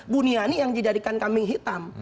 buniani yang dijadikan kambing hitam